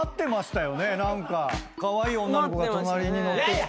カワイイ女の子が隣に乗ってきて。